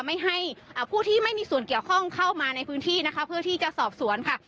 ไม่ให้ผู้ที่ไม่มีส่วนเกี่ยวข้องเข้ามาในพื้นที่นะคะเพื่อที่จะสอบสวนค่ะ